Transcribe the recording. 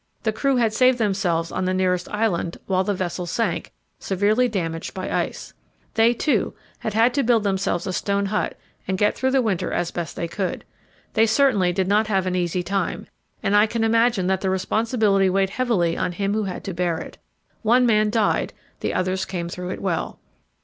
The crew had saved themselves on the nearest island, while the vessel sank, severely damaged by ice. They, too, had had to build themselves a stone hut and get through the winter as best they could. They certainly did not have an easy time, and I can imagine that the responsibility weighed heavily on him who had to bear it. One man died; the others came through it well.